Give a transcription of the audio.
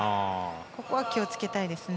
ここは気を付けたいですね。